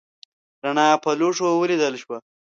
رڼا په لوښو ولیدل شوه.